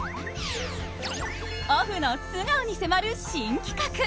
オフの素顔に迫る新企画